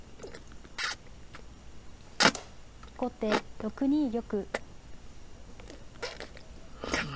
後手６二玉。